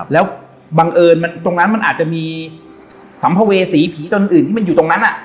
แล้วบังเอิญตรงนั้นมันอาจจะมีสัมภเวษีผีตอนอื่นที่มันอยู่ตรงนั้น